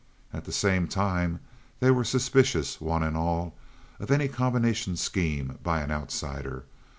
At the same time they were suspicious—one and all—of any combination scheme by an outsider.